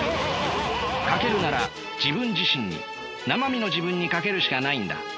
賭けるなら自分自身になま身の自分に賭けるしかないんだ。